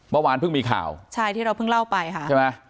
เมื่อวานเพิ่งมีข่าวใช่ที่เราเพิ่งเล่าไปค่ะใช่ไหม